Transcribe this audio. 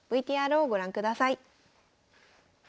ＶＴＲをご覧ください。